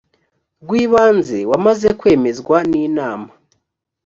rw ibanze wamaze kwemezwa n inama